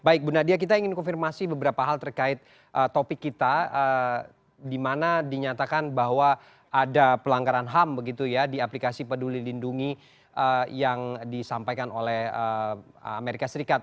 baik bu nadia kita ingin konfirmasi beberapa hal terkait topik kita di mana dinyatakan bahwa ada pelanggaran ham begitu ya di aplikasi peduli lindungi yang disampaikan oleh amerika serikat